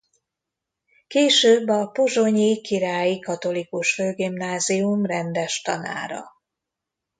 Később a pozsonyi királyi katholikus főgimnázium rendes tanára.